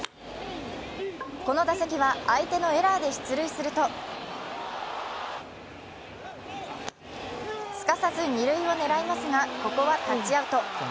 この打席は、相手のエラーで出塁するとすかさず二塁を狙いますが、ここはタッチアウト。